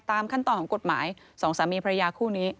ตามขั้นตอนของกฎหมายสองสามีพระยาคู่นี้